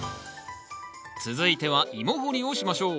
続いてはイモ掘りをしましょう。